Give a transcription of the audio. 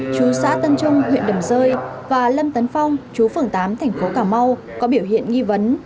chú xã tân trung huyện đầm rơi và lâm tấn phong chú phường tám thành phố cà mau có biểu hiện nghi vấn